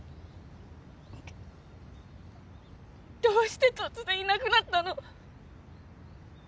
どうして突然いなくなったの？